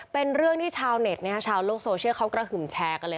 เป็นเรื่องที่ชาวเน็ตชาวโลกโซเชียลเขากระหึ่มแชร์กันเลย